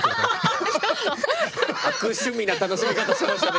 悪趣味な楽しみ方してましたね